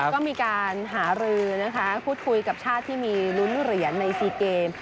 ก็มีการหารือนะคะพูดคุยกับชาติที่มีลุ้นเหรียญใน๔เกม